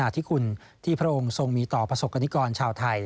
ในพระมหากรุณาธิคุณที่พระองค์ทรงมีต่อประสบกรณิกรชาวไทย